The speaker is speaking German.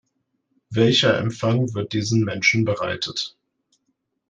Welcher Empfang wird diesen Menschen bereitet?